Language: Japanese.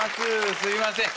すいません